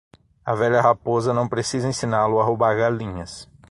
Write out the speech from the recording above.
A velha raposa não precisa ensiná-lo a roubar galinhas.